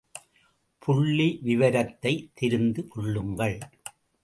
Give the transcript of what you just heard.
புள்ளி விவரத்தைத் தெரிந்து கொள்ளுங்கள்.